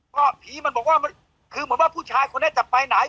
เพราะผีมันบอกว่าคือเหมือนว่าผู้ชายคนนี้จะไปไหน